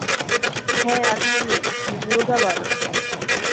হ্যাঁ আর তুমি, মুরগা বানো।